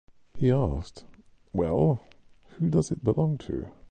He asked, Well, who does it belong to?